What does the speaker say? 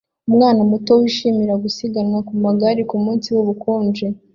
Umwana muto wishimira gusiganwa ku maguru kumunsi wubukonje